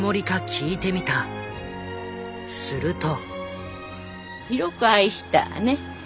すると。